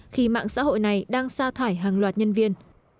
khi mạng xã hội này đang xa thải hàng loạt nhân viên